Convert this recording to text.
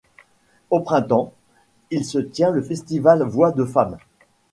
Au printemps, il se tient le festival Voix de femmes.